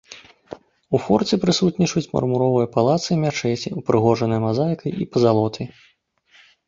У форце прысутнічаюць мармуровыя палацы і мячэці, упрыгожаныя мазаікай і пазалотай.